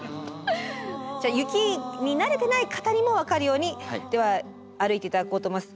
じゃ雪に慣れてない方にも分かるようにでは歩いて頂こうと思います。